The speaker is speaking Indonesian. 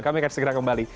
kami akan segera kembali